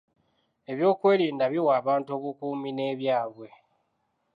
Ebyokwerinda biwa abantu obukuumi n'ebyabwe.